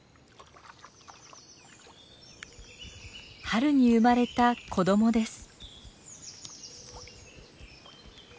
春に生まれた子どもです。